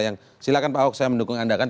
yang silakan pak ahok saya mendukung anda kan